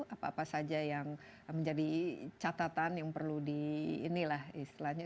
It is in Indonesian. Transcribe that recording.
apa apa saja yang menjadi catatan yang perlu di inilah istilahnya